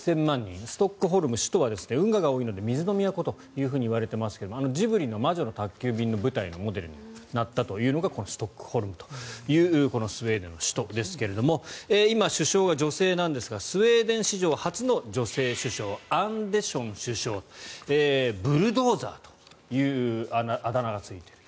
ストックホルム首都は運河が多いので水の都といわれていますがジブリの「魔女の宅急便」の舞台になったというのがこのストックホルムというスウェーデンの首都ですが今、首相が女性なんですがスウェーデン史上初の女性首相アンデション首相ブルドーザーというあだ名がついている。